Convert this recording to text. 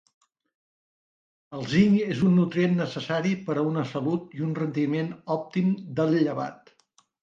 El zinc és un nutrient necessari per a una salut i un rendiment òptims del llevat.